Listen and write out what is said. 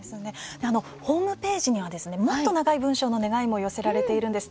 ホームページにはもっと長い文章の願いも寄せられているんです。